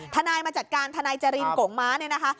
มาจัดการทนายเจรินโกงม้าเนี่ยนะคะ